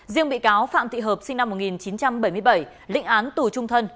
riêng bị cáo phạm thị hợp sinh năm một nghìn chín trăm bảy mươi bảy lĩnh án tù trung thân